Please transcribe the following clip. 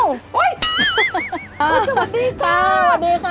สวัสดีค่ะสวัสดีค่ะ